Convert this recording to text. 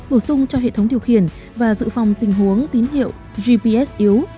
bổ sung cho hệ thống điều khiển và dự phòng tình huống tín hiệu gps yếu